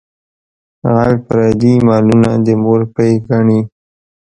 غل پردي مالونه د مور پۍ ګڼي.